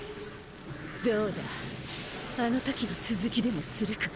あの時の続きでもするか？